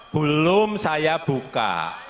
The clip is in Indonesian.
belum saya buka